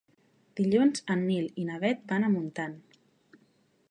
Dilluns en Nil i na Bet van a Montant.